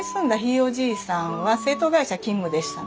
おじいさんは製陶会社勤務でしたの。